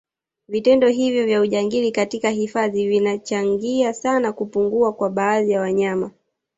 Vitendo hivyo vya ujangili katika hifadhi vinacahangia sana kupungua kwa baadhi ya wanyama